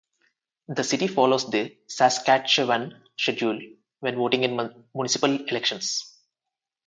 The city follows the Saskatchewan schedule when voting in municipal elections.